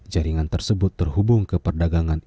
jaringan tersebut terhubung ke perdagangan